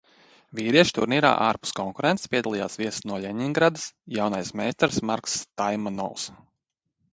Vīriešu turnīrā ārpus konkurences piedalījās viesis no Ļeņingradas, jaunais meistars Marks Taimanovs.